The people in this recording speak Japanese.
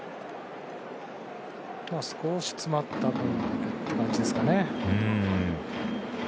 少し詰まった感じですかね。